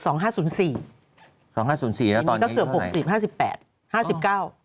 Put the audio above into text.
๒๕๐๔แล้วตอนนี้ก็เกือบ๖๐๕๘